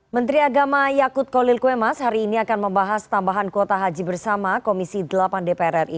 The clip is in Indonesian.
menteri agama yakut kolil kwemas hari ini akan membahas tambahan kuota haji bersama komisi delapan dpr ri